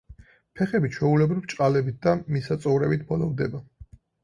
ფეხები ჩვეულებრივ ბრჭყალებით და მისაწოვრებით ბოლოვდება.